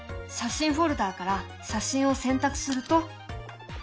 写真フォルダーから写真を選択すると。